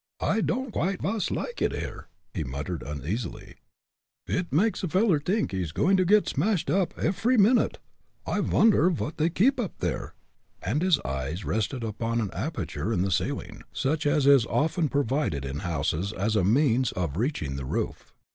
"I don'd quite vas like id here," he muttered, uneasily. "I'd makes a veller t'ink he's goin' der get smashed up effery minute. I vonder vot dey keep up there?" and his eyes rested upon an aperture in the ceiling, such as is often provided in houses as a means of reaching the roof.